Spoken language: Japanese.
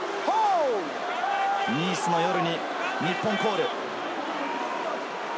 ニースの夜に日本コール。